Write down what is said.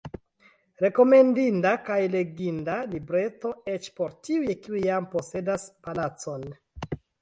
Rekomendinda kaj leginda libreto, eĉ por tiuj, kiuj jam posedas palacon!